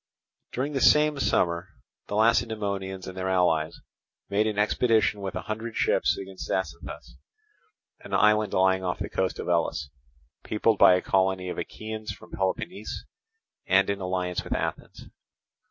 During the same summer the Lacedaemonians and their allies made an expedition with a hundred ships against Zacynthus, an island lying off the coast of Elis, peopled by a colony of Achaeans from Peloponnese, and in alliance with Athens.